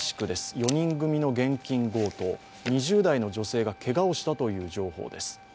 ４人組の現金強盗、２０代の女性がけがをしたという情報です。